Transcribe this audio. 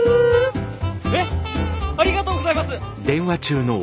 えっありがとうございます！